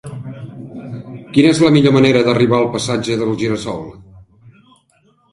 Quina és la millor manera d'arribar al passatge del Gira-sol?